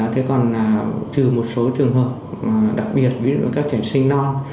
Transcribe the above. thế còn là trừ một số trường hợp đặc biệt ví dụ các trẻ sinh non